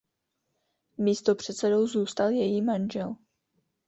Místopředsedou zůstal její manžel.